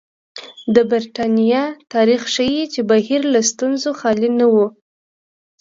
د برېټانیا تاریخ ښيي چې بهیر له ستونزو خالي نه و.